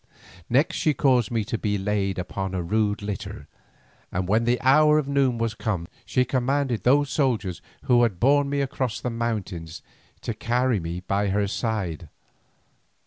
Next she caused me to be laid upon my rude litter, and when the hour of noon was come, she commanded those soldiers who had borne me across the mountains to carry me by her side.